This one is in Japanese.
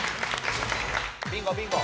ビンゴビンゴ。